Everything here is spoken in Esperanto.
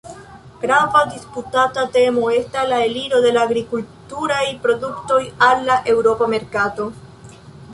Grava disputata temo estas la aliro de agrikulturaj produktoj al la eŭropa merkato.